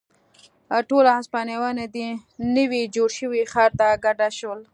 ټول هسپانویان دې نوي جوړ شوي ښار ته کډه شول.